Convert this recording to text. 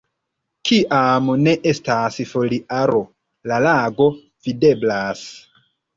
Kiam ne estas foliaro, la lago videblas.